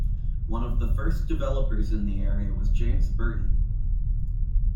One of the first developers in the area was James Burton.